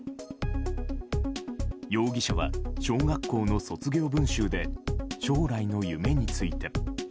容疑者は、小学校の卒業文集で将来の夢について。